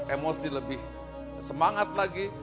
emosi lebih semangat lagi